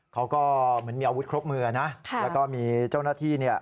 เขาก็เหมือนมีอาวุธครบมือนะแล้วก็มีเจ้าหน้าที่เนี่ย